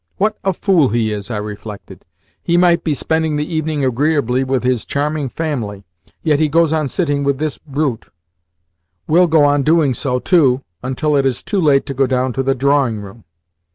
"What a fool he is!" I reflected. "He might be spending the evening agreeably with his charming family, yet he goes on sitting with this brute! will go on doing so, too, until it is too late to go down to the drawing room!"